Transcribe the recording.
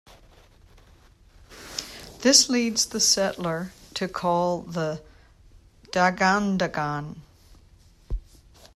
This leads the settler to call the "Dagandagan".